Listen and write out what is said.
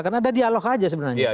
karena ada dialog aja sebenarnya